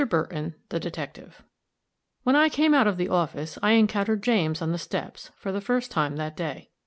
BURTON, THE DETECTIVE. When I came out of the office, I encountered James on the steps, for the first time that day.